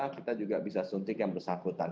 kita juga bisa suntik yang bersangkutan